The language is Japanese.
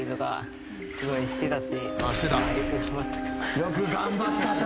よく頑張ったと。